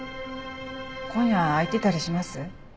今夜空いてたりします？